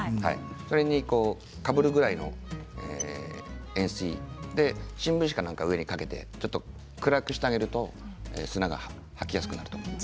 それにかぶるぐらいの塩水で新聞紙か何かを上にかけてちょっと暗くしてあげると砂が吐きやすくなると思います。